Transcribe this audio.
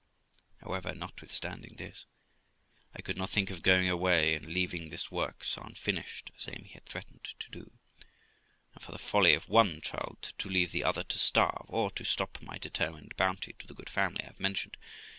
However, notwithstanding this, I could not think of going away and leaving this work so unfinished as Amy had threatened to do, and for the folly of one child to leave the other to starve, or to stop my determined bounty to the good family I have mentioned.